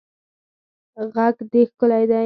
غږ دې ښکلی دی